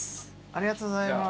ありがとうございます。